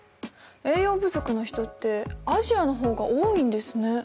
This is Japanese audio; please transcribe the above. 栄養不足の人ってアジアの方が多いんですね？